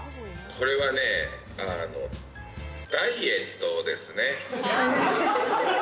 これはね、ダイエットですね。